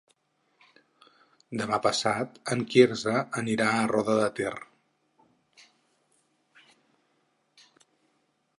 Demà passat en Quirze anirà a Roda de Ter.